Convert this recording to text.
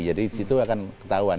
jadi itu akan ketahuan